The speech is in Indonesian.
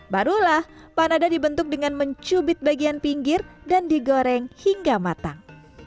barulah panada dibentuk dengan mencubit bagian pinggir dan digoreng hingga matang